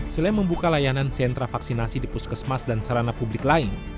selain membuka layanan sentra vaksinasi di puskesmas dan sarana publik lain